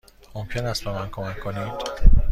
ممکن است به من کمک کنید؟